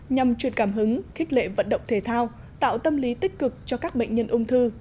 nhằm truyền cảm hứng khích lệ vận động thể thao tạo tâm lý tích cực cho các bệnh nhân ung thư